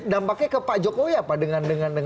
tapi dampaknya ke pak jokowi apa dengan